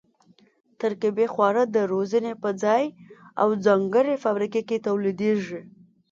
ترکیبي خواړه د روزنې په ځای او ځانګړې فابریکه کې تولیدېږي.